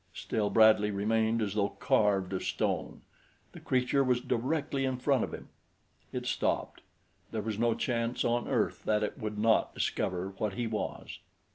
Still Bradley remained as though carved of stone. The creature was directly in front of him. It stopped. There was no chance on earth that it would not discover what he was.